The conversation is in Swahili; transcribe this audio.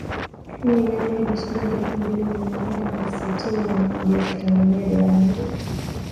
kumi na nne hadi shilingi elfu mbili mia nane sitin na moja za Tanzania dola moja